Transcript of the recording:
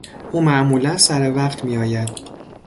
او معمولا سر وقت میآید.